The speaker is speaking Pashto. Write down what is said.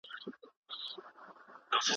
که ته څېړونکی نه وې نو لارښود مه کېږه.